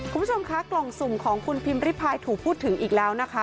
คุณผู้ชมคะกล่องสุ่มของคุณพิมพิพายถูกพูดถึงอีกแล้วนะคะ